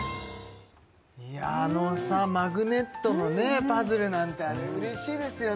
いやああのマグネットのパズルなんてあれうれしいですよね